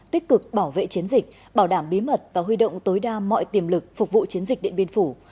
tích cực bảo vệ chiến dịch bảo đảm bí mật và huy động tối đa mọi tiềm lực phục vụ chiến dịch điện biên phủ